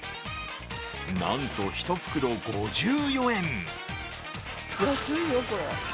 なんと１袋５４円。